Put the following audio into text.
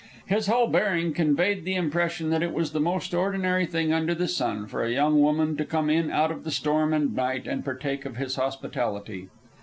His whole bearing conveyed the impression that it was the most ordinary thing under the sun for a young woman to come in out of the storm and night and partake of his hospitality.